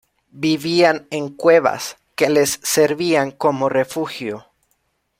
Vivían en cuevas, que les servían como refugio.